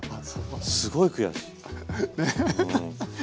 すごい悔しい。